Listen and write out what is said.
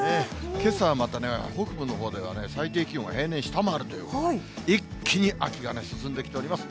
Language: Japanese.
けさはまたね、北部のほうではね、最低気温が平年下回るという、一気に秋が進んできております。